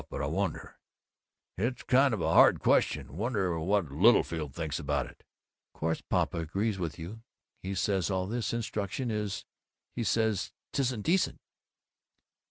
But I wonder It's kind of a hard question. Wonder what Littlefield thinks about it?" "Course Papa agrees with you. He says all this Instruction is He says 'tisn't decent."